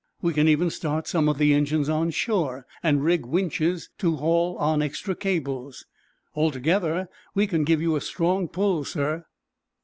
We can even start some of the engines on shore, and rig winches to haul on extra cables. Altogether, we can give you a strong pull, sir."